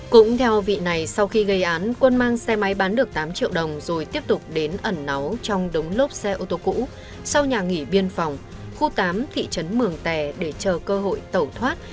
cũng theo vị này sau khi gây án quân mang xe máy bán được tám triệu đồng rồi tiếp tục đến ẩn náu trong đống lốp xe ô tô cũ sau nhà nghỉ biên phòng khu tám thị trấn mường tè để chờ cơ hội tẩu thoát